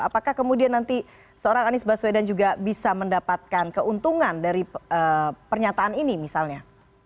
apakah kemudian nanti seorang anies baswedan juga bisa mendapatkan keuntungan dari pernyataan ini misalnya